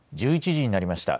１１時になりました。